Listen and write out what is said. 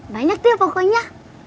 banyak deh pokoknya